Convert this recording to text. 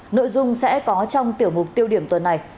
nội dung sẽ có trong tiểu mục tiêu điểm tuần này